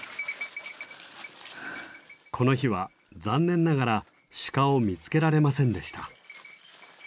この日は残念ながらシカを見つけられませんでした。